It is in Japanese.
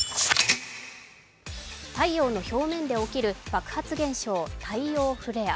太陽の表面で起きる爆発現象、太陽フレア。